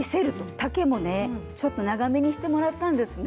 丈もねちょっと長めにしてもらったんですね。